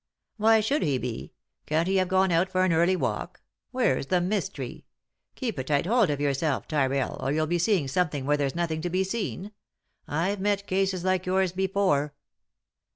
" Why should he be ? Can't he have gone out for an early walk ? Where's the mystery ? Keep a tight hold of yourself, Tyrrell, or you'll be seeing something where there's nothing to be seen ; I've met cases like yours before."